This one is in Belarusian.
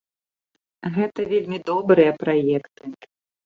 Гэта вельмі добрыя праекты.